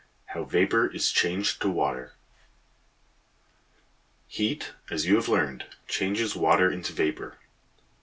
HOW VAPOR IS CHANGED TO WATER, Heat, as you have learned, changes water into vapor.